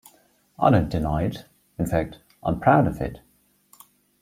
I don't deny it; in fact, I am proud of it.